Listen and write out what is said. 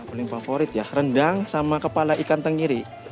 paling favorit ya rendang sama kepala ikan tenggiri